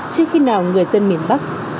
trước khi nào người dân miền bắc